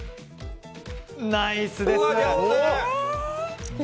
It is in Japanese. ナイスです！